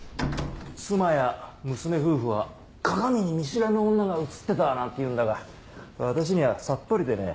妻や娘夫婦は鏡に見知らぬ女が映ってたなんて言うんだが私にはさっぱりでね。